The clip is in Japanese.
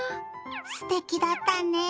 すてきだったね。